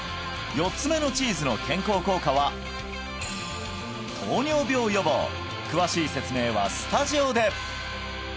４つ目のチーズの健康効果は糖尿病予防詳しい説明はスタジオで！